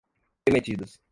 remetidos